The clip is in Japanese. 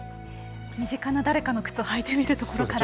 身近な誰かの靴を履いてみるところから。